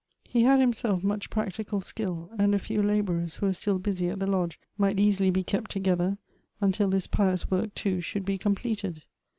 He had himself much practical skill, and a few laborers who were still busy at the lodge, might easily be kept together, until this pious work too should be completed.